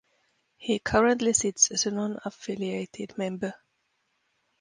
He currently sits as a nonaffiliated member.